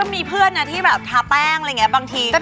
มีเพื่อนที่แบบทาแป้งบางที